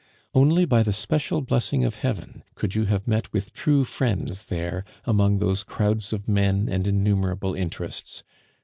Only by the special blessing of Heaven could you have met with true friends there among those crowds of men and innumerable interests.